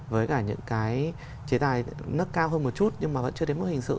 với cả những cái chế tài nâng cao hơn một chút nhưng mà vẫn chưa đến mức hình sự